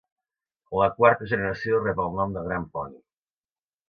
La quarta generació rep el nom de "Grand Pony".